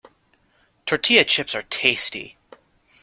Tortilla chips are tasty.